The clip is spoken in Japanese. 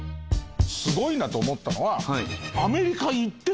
すごいなと思ったのは。